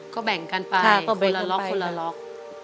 ก็แบ่งกันไปละล็อกคนละล็อก